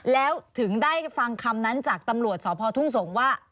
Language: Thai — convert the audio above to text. แล้วถึงได้ฟังคำนั้นจากตำรวจสพทุ่งสงศ์ว่า